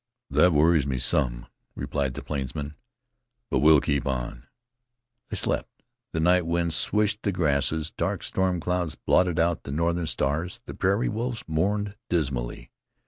"That worries me some," replied the plainsman, "but we'll keep on it." They slept. The night wind swished the grasses; dark storm clouds blotted out the northern stars; the prairie wolves mourned dismally.